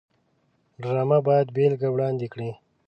ډرامه باید بېلګې وړاندې کړي